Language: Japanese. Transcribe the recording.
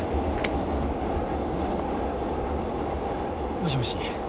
もしもし？